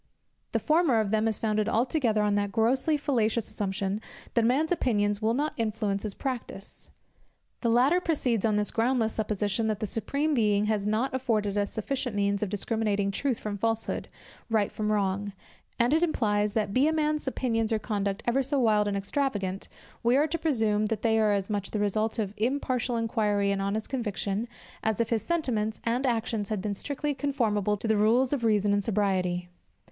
The former of them is founded altogether on that grossly fallacious assumption, that a man's opinions will not influence his practice. The latter proceeds on this groundless supposition, that the Supreme Being has not afforded us sufficient means of discriminating truth from falsehood, right from wrong: and it implies, that be a man's opinions or conduct ever so wild and extravagant, we are to presume, that they are as much the result of impartial inquiry and honest conviction, as if his sentiments and actions had been strictly conformable to the rules of reason and sobriety.